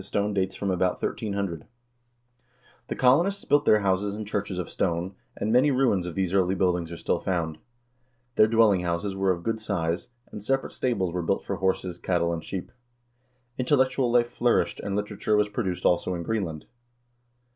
son and Endride Oddsson Saturday before gagndag (April 25) 200 HISTORY OP THE NORWEGIAN PEOPLE The colonists built their houses and churches of stone, and many ruins of these early buildings are still found. Their dwelling houses were of good size, and separate stables were built for horses, cattle, and sheep. Intellectual life flourished, and literature was produced also in Greenland.